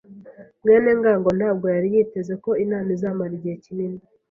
mwene ngango ntabwo yari yiteze ko inama izamara igihe kinini.